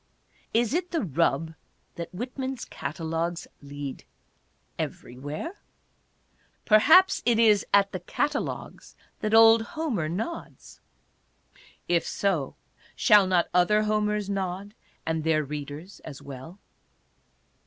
Is it the rub that Whitman's catalogues lead everywhere ? Perhaps it is at the catalogues that old Homer nods. If so, shall not other Homers nod — and their readers as well